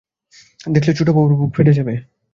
দেখলে ছোটবাবুর বুক ফেটে যাবে।